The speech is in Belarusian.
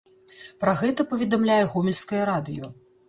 Пра гэта паведамляе гомельскае радыё.